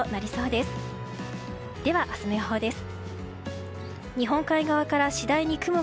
では明日の予報です。